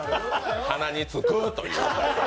鼻につくという。